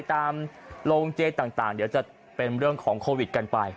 ตามโรงเจต่างเดี๋ยวจะเป็นเรื่องของโควิดกันไป